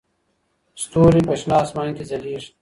ستوري په شنه اسمان کې ځلېږي.